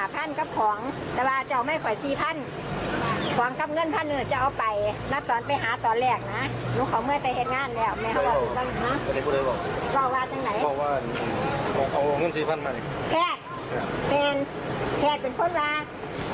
แพทย์แพทย์เป็นคนรัก